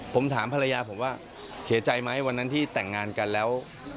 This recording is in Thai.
ผมถามภรรยาผมว่าเสียใจไหมวันนั้นที่แต่งงานกันแล้ว